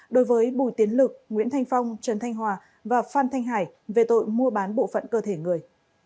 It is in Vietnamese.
đối với bùi tiến lực nguyễn thanh phong trần thanh hòa và phan thanh hải về tội mua bán bộ phận cơ thể người